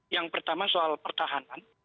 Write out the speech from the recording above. yang pertama soal pertahanan